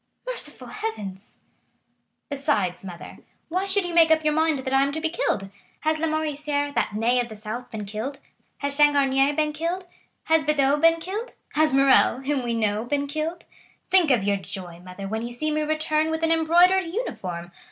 "Merciful Heavens!" "Besides, mother, why should you make up your mind that I am to be killed? Has Lamoricière, that Ney of the South, been killed? Has Changarnier been killed? Has Bedeau been killed? Has Morrel, whom we know, been killed? Think of your joy, mother, when you see me return with an embroidered uniform!